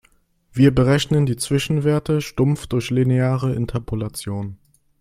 Wir berechnen die Zwischenwerte stumpf durch lineare Interpolation.